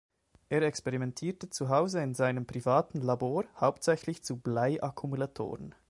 Er experimentierte zuhause in seinem privaten Labor, hauptsächlich zu Blei-Akkumulatoren.